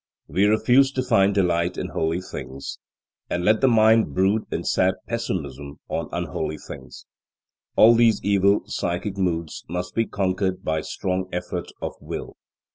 We refuse to find delight in holy things, and let the mind brood in sad pessimism on unholy things. All these evil psychic moods must be conquered by strong effort of will.